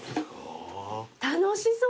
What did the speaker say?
楽しそう。